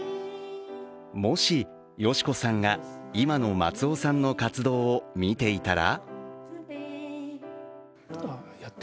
もし敏子さんが今の松尾さんの活動を見ていたら？